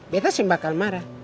beta sim bakal marah